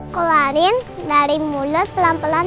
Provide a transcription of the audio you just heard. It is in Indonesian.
keluarin dari mulut pelan pelan